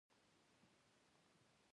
پیرودونکی د وفادارۍ احساس غواړي.